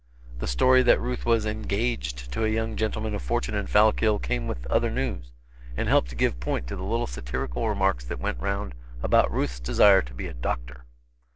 The story that Ruth was "engaged" to a young gentleman of fortune in Fallkill came with the other news, and helped to give point to the little satirical remarks that went round about Ruth's desire to be a doctor!